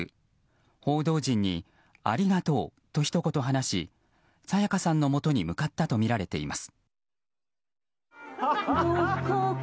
報道陣にありがとうと、ひと言話し沙也加さんのもとに向かったとみられています。